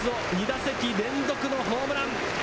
２打席連続のホームラン。